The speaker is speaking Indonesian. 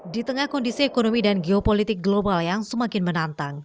di tengah kondisi ekonomi dan geopolitik global yang semakin menantang